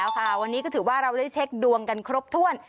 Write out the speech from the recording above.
ค่ะวันนี้ก็ถือว่าเราได้เช็คดวงกันครบถ้วน